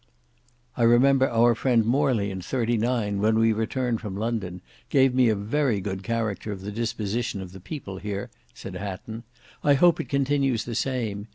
"I remember our friend Morley in '39, when we returned from London, gave me a very good character of the disposition of the people here," said Hatton; "I hope it continues the same.